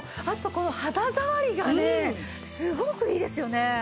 あとこの肌触りがねすごくいいですよね。